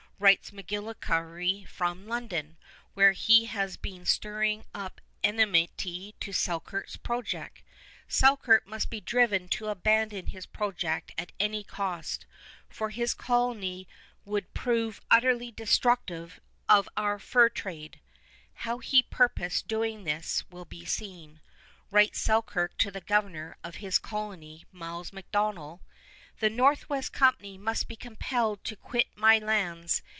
Writes MacGillivray from London, where he has been stirring up enmity to Selkirk's project, "_Selkirk must be driven to abandon his project at any cost, for his colony would prove utterly destructive of our fur trade_." How he purposed doing this will be seen. Writes Selkirk to the governor of his colony, Miles MacDonell: "_The Northwest Company must be compelled to quit my lands.